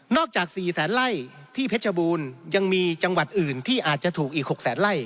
จาก๔แสนไล่ที่เพชรบูรณ์ยังมีจังหวัดอื่นที่อาจจะถูกอีก๖แสนไล่